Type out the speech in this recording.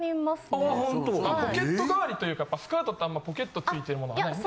ポケット代わりというかやっぱスカートってあんまりポケット付いてるものがないんで。